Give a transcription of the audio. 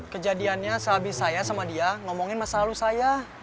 kejadiannya sehabis saya sama dia ngomongin masa lalu saya